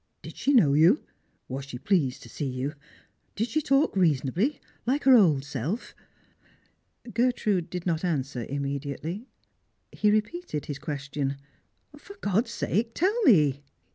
Did she know you ? Was she pleased to see you ? Did she talk reasonably, hke her old self?" Gertrude did not answer immediately. He repeated his ques tion. " For God's sake tell me